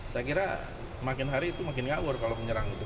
saya kira makin hari itu makin ngawur kalau menyerang itu